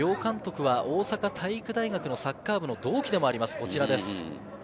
両監督は大阪体育大学のサッカー部の同期でもあります。